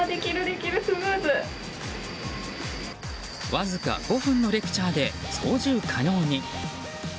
わずか５分のレクチャーで操縦可能に。